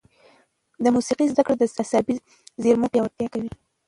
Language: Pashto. د موسیقي زده کړه د عصبي زېرمو پیاوړتیا کوي.